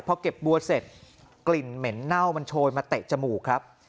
พอเก็บบัวเสร็จกลิ่นเหม็นเน่ามันโชยมาเตะจมูกครับ